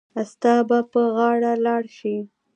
ستا به په غاړه لار شي.